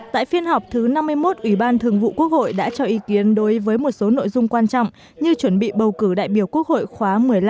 tại phiên họp thứ năm mươi một ủy ban thường vụ quốc hội đã cho ý kiến đối với một số nội dung quan trọng như chuẩn bị bầu cử đại biểu quốc hội khóa một mươi năm